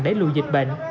để lùi dịch bệnh